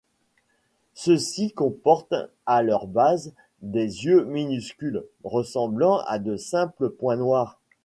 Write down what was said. Ceux-ci comportent à leur base des yeux minuscules, ressemblant à de simples points noirs.